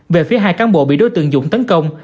về phía hai cán bộ bị đối tượng dũng tấn công